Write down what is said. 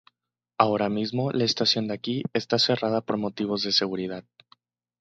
Ahora mismo la estación de esquí está cerrada por motivos de seguridad.